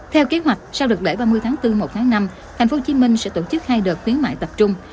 theo kế hoạch sau đợt lễ ba mươi tháng bốn một tháng năm tp hcm sẽ tổ chức hai đợt khuyến mại tập trung